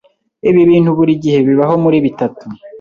Ibi bintu burigihe bibaho muri bitatu.